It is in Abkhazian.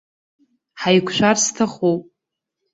Ҳаиқәшәар сҭахуп.